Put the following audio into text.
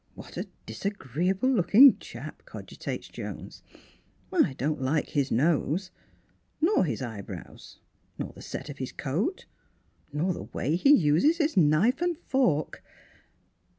What a disagreeable looking chap," cogitates Jones. "I don't like his nose; nor his eyebrows, nor the set of his coat, nor the way he uses his knife and fork."